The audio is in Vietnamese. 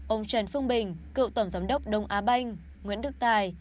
ông trần phương bình cựu tổng giám đốc đông á banh nguyễn đức tài